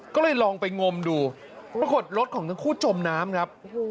ก็เลยลองไปงมดูปรากฏรถของทั้งคู่จมน้ำครับ